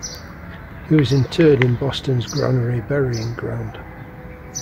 He was interred in Boston's Granary Burying Ground.